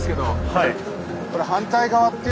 はい。